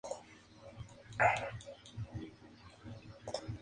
Hay autobuses públicos directos a Düsseldorf, solamente nueve al día.